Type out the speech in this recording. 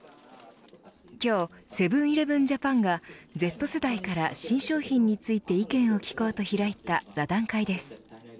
今日セブン‐イレブン・ジャパンがＺ世代から新商品について意見を聞こうと開いた座談会です。